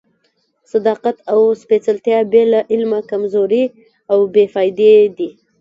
صداقت او سپېڅلتیا بې له علمه کمزوري او بې فائدې دي.